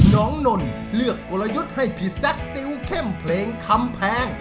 นนเลือกกลยุทธ์ให้พี่แซคติวเข้มเพลงคำแพง